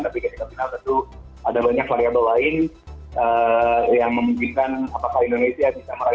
tapi ketika final itu ada banyak variabel lain yang memungkinkan apakah indonesia bisa melayani